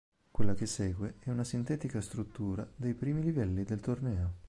Quella che segue è una sintetica struttura dei primi livelli del torneo.